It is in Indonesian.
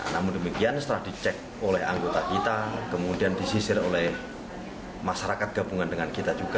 namun demikian setelah dicek oleh anggota kita kemudian disisir oleh masyarakat gabungan dengan kita juga